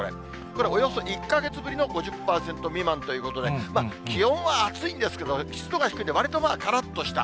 これ、およそ１か月ぶりの５０％未満ということで、気温は暑いんですけど、湿度が低いんで、わりとからっとした。